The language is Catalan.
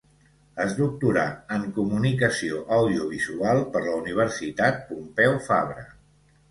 És doctora en Comunicació Audiovisual per la Universitat Pompeu Fabra.